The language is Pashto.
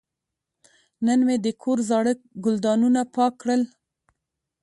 نن مې د کور زاړه ګلدانونه پاک کړل.